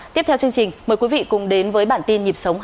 tiếp theo chương trình mời quý vị đến với bản tin nhịp sống hai mươi bốn h bảy